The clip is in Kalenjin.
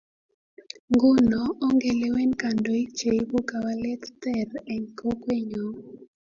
Nguno ongelewen kandoik che ibu kawalet ter eng kokqenyo